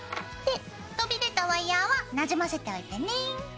飛び出たワイヤーはなじませておいてね。